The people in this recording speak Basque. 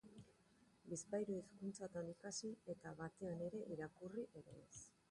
Bizpahiru hizkuntzatan ikasi eta batean ere irakurri ez.